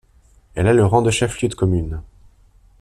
Elle a le rang de chef-lieu de commune.